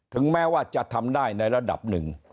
แม้ว่าจะทำได้ในระดับหนึ่ง